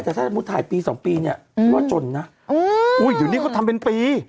แต่ถ้าสมมุติถ่ายปี๒ปีเนี่ยว่าจนนะอุ้ยเดี๋ยวนี้เขาทำเป็นปี